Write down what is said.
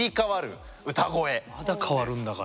まだ変わるんだから。